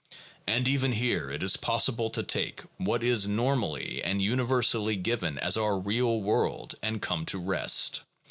And even here it is possible to take what is normally and universally given as our real world and come to rest.